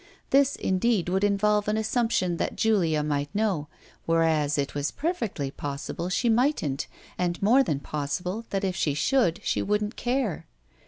This indeed would involve an assumption that Julia might know, whereas it was perfectly possible she mightn't and more than possible that if she should she wouldn't care.